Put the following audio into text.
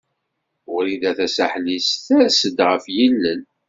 Wrida Tasaḥlit ters-d ɣef yilel.